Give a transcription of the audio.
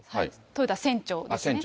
豊田船長ですね。